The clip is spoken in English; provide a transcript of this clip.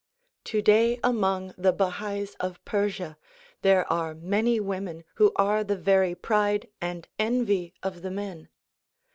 Today among the Bahais of Persia there are many women who are the very pride and envy of the men.